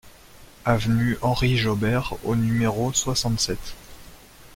Avenue Henri Jaubert au numéro soixante-sept